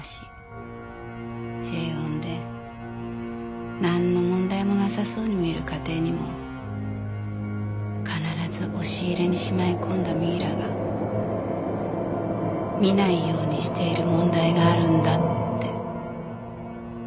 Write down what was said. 平穏でなんの問題もなさそうに見える家庭にも必ず押し入れにしまい込んだミイラが見ないようにしている問題があるんだって。